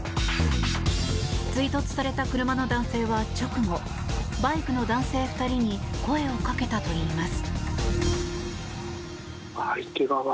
追突された車の男性は、直後バイクの男性２人に声をかけたといいます。